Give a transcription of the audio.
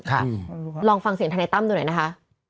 ลองฟังเสียงทนายตั้มดูหน่อยนะคะ